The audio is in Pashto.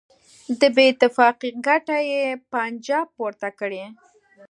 د بېاتفاقۍ ګټه یې پنجاب پورته کړي.